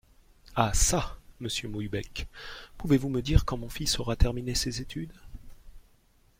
Ah çà ! monsieur Mouillebec, pouvez-vous me dire quand mon fils aura terminé ses études ?